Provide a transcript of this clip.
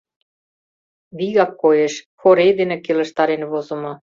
Вигак коеш, хорей дене келыштарен возымо.